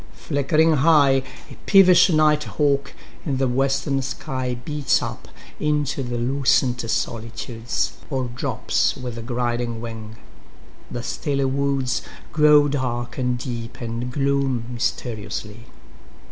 Flickering high,5A peevish night hawk in the western sky6Beats up into the lucent solitudes,7Or drops with griding wing. The stilly woods8Grow dark and deep, and gloom mysteriously.